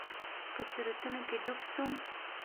په چورتونو کښې ډوب سوم.